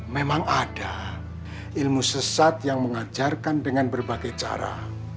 memang ada ilmu sesat yang mengajarkan dengan berbagai cara